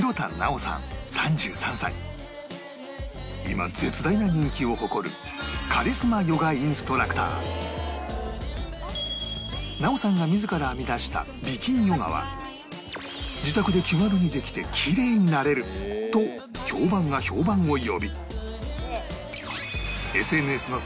今絶大な人気を誇るなおさんが自ら編み出した美筋ヨガは自宅で気軽にできてきれいになれると評判が評判を呼び